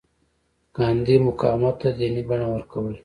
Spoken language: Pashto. ګاندي مقاومت ته دیني بڼه ورکوله.